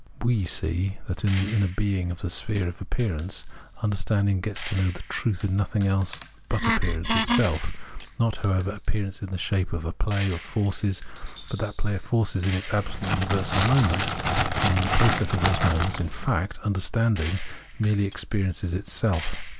We see that in the inner being of the sphere of appearance, understanding gets to know in truth nothing else but appearance itself, not, however, appearance in the shape of a play of forces, but that play of forces in its absolutely universal moments and in the process of those moments; in fact, understanding merely experiences itself.